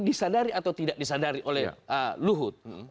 disadari atau tidak disadari oleh luhut